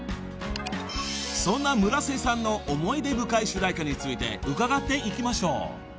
［そんな村瀬さんの思い出深い主題歌について伺っていきましょう］